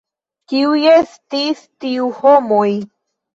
Kiuj estis tiu homoj?